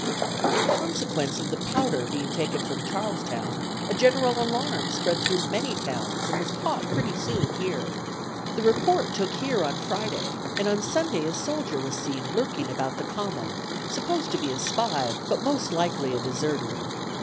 "In consequence of the powder being taken from Charlestown, a general alarm spread through many towns and was caught pretty soon here. The report took here on Friday, and on Sunday a soldier was seen lurking about the Common, supposed to be a spy, but most likely a deserter.